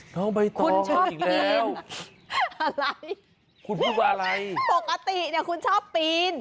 น้องใบตองคุณชอบอีกแล้วอะไรคุณพูดว่าอะไรปกติเนี่ยคุณชอบปีน